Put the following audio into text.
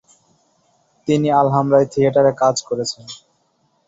তিনি আল-হামরায় থিয়েটারে কাজ করেছেন।